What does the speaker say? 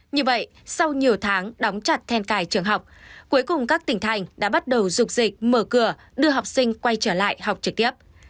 như vậy sau nhiều tháng đóng chặt then cài trường học cuối cùng các tỉnh thành đã bắt đầu dục dịch mở cửa đưa học sinh quay trở lại học trực tiếp